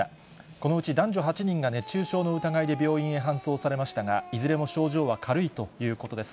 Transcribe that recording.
このうち男女８人が熱中症の疑いで病院へ搬送されましたが、いずれも症状は軽いということです。